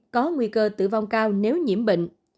có nguy cơ tử vong cao nếu nhiễm bệnh